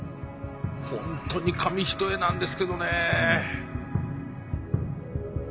ホントに紙一重なんですけどね。